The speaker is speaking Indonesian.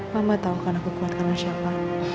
mama tahu kan aku kuat sama siapa